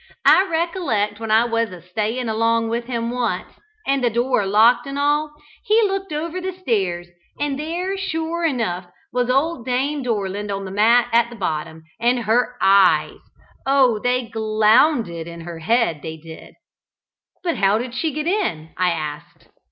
I recollect when I was a staying along with him once, and the door locked and all he looked over the stairs and there, sure enough, was old Dame Dorland on the mat at the bottom, and her eyes! oh they glounded in her head, they did!" "But how did she get in?" I asked.